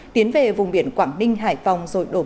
tiến về vùng biển quảng ninh hải phòng rồi đổ bộ đất liền